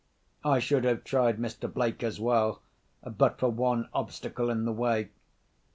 I should have tried Mr. Blake as well—but for one obstacle in the way.